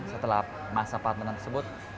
setelah masa partner tersebut